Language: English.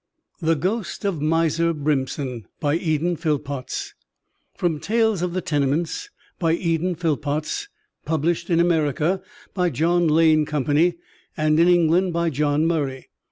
THE GHOST OF MISER BRIMPSON BY EDEN PHILLPOTTS From Tales of the Tenements, by Eden Phillpotts. Published in America by John Lane Company, and in England by John Murray.